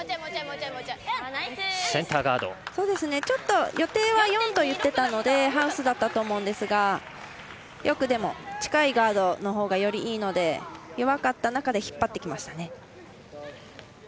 ちょっと予定は４と言っていたのでハウスだったと思うんですが近いガードのほうがよりいいので、弱かった中で引っ張ってきましたね。